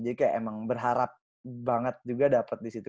jadi kayak emang berharap banget juga dapet disitu